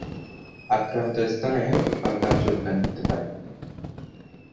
আক্রান্ত স্থানে হালকা চুলকানি হতে পারে।